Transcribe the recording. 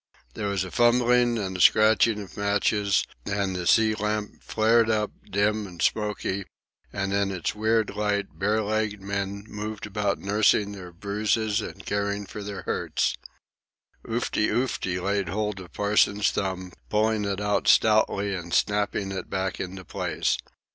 There was a fumbling and a scratching of matches, and the sea lamp flared up, dim and smoky, and in its weird light bare legged men moved about nursing their bruises and caring for their hurts. Oofty Oofty laid hold of Parsons's thumb, pulling it out stoutly and snapping it back into place.